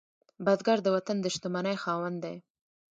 بزګر د وطن د شتمنۍ خاوند دی